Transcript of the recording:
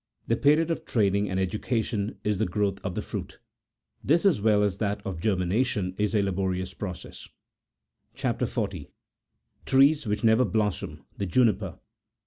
The period of training and education is the growth of the fruit. This, as well as that of germina tion, is a laborious process. CHAP. 40. TREKS WHICH NEVER BLOSSOM. THE JUNIPER.